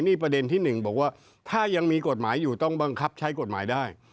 นี่ประเด็นที่๑บอกว่าถ้ายังมีกฎหมายอยู่ต้องบังคับใช้กฎหมายได้